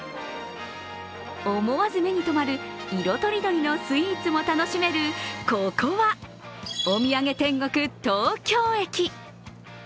思わず目にとまる色とりどりのスイーツも楽しめるここは、お土産天国、東京駅。